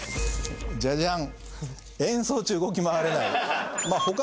ジャジャン。